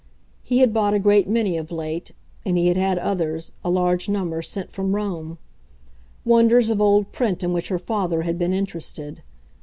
He had bought a great many of late, and he had had others, a large number, sent from Rome wonders of old print in which her father had been interested.